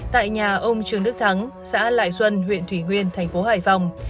tại nhà ông trương đức thắng xã lại xuân huyện thủy nguyên thành phố hải phòng